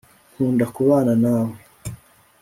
nkunda kubana nawe